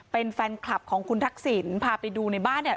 เป็นแฟนคลับของคุณทักษิณพาไปดูในบ้านเนี่ย